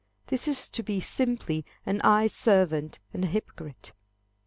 This is to be simply an eye servant and a hypocrite.